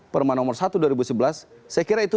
perma nomor satu dua ribu sebelas saya kira itu